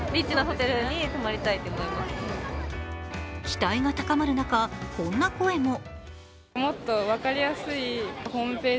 期待が高まる中、こんな声も。